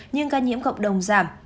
nhưng ca nhiễm cộng đồng giảm